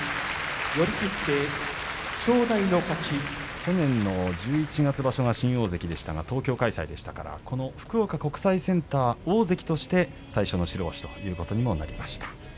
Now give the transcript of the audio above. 去年の十一月場所は新大関でしたが東京開催でしたからこの福岡国際センターは大関として最初の白星ということになりました。